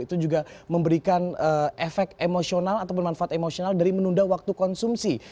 itu juga memberikan efek emosional ataupun manfaat emosional dari menunda waktu konsumsi